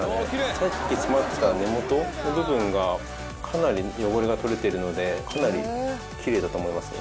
さっき詰まってた根元の部分がかなり汚れが取れてるのでかなりキレイだと思いますね。